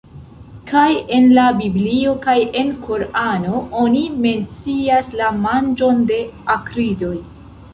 Kaj en la biblio kaj en korano oni mencias la manĝon de akridoj.